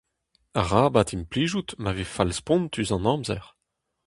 Arabat implijout ma vez fall-spontus an amzer.